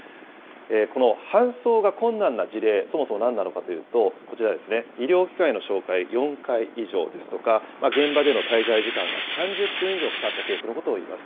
この搬送が困難な事例、そもそもなんなのかというと、こちらですね、医療機関への照会４回以上ですとか、現場での滞在時間が３０分以上かかったケースのことをいいます。